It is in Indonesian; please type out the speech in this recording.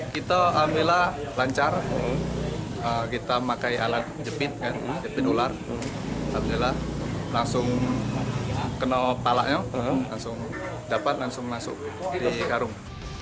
kita alhamdulillah lancar kita pakai alat jepit penular alhamdulillah langsung kena palaknya langsung dapat langsung masuk di karung